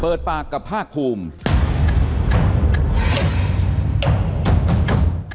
เปิดปากกับภาคภูมิ